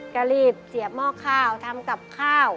ก็รีบเสียบหม้อข้าวทำกับข้าว